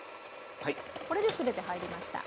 これで全て入りました。